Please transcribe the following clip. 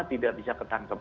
tidak bisa ketangkep